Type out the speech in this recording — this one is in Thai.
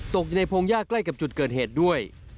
ตกอยู่ในพงหญ้าใกล้กับจุดเกิดเหตุด้วย